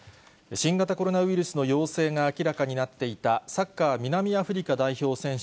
新型コロナウイルスの陽性が明らかになっていたサッカー南アフリカ代表選手